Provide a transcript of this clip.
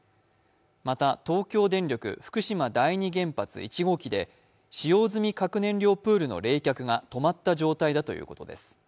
また、東京電力福島第２原発１号機で使用済み核燃料プールの冷却が止まった状態だということです。